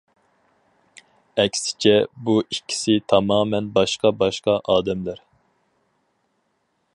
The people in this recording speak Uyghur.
ئەكسىچە، بۇ ئىككىسى تامامەن باشقا-باشقا ئادەملەر.